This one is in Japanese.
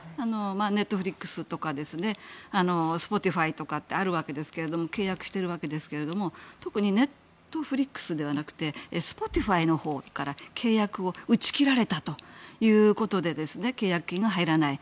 ネットフリックスとかスポティファイとかあるわけですけども契約しているわけですけども特にネットフリックスではなくてスポティファイのほうから契約を打ち切られたということで契約金が入らない。